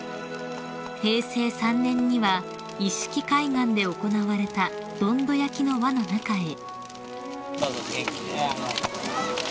［平成３年には一色海岸で行われたどんど焼きの輪の中へ］